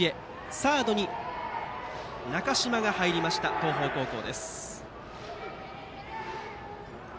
サードに中島が入りました東邦高校。